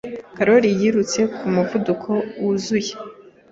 Karoli yirutse ku muvuduko wuzuye.